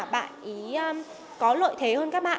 bạn ý có lợi thế hơn các bạn